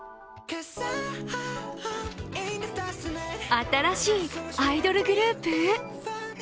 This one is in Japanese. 新しいアイドルグループ？